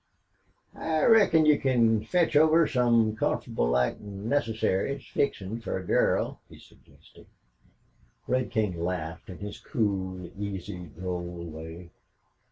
"I reckon you can fetch over some comfortable like necessaries fixin's fer a girl," he suggested. Red King laughed in his cool, easy, droll way.